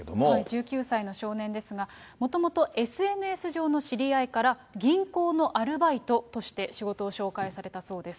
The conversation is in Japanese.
１９歳の少年ですが、もともとＳＮＳ上の知り合いから、銀行のアルバイトとして、仕事を紹介されたそうです。